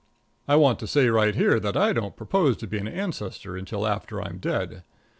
I want to say right here that I don't propose to be an ancestor until after I'm dead.